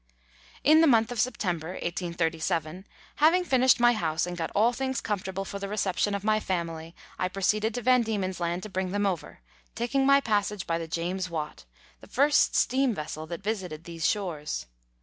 In the month of September (1837), having finished nay house and got all things comfortable for the reception of my family, I proceeded to Van Diemen's Land to briiig them over, taking my passage by the James Watt, the first steam vessel that visited these shores.